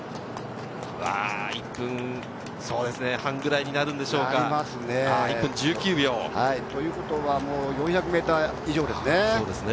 １分半ぐらいになるでしょうか、１分１９秒。ということは４００ｍ以上ですね。